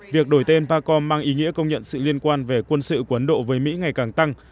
việc đổi tên pacom mang ý nghĩa công nhận sự liên quan về quân sự của ấn độ với mỹ ngày càng tăng